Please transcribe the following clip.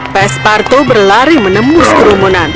pastor patu berlari menembus kerumunan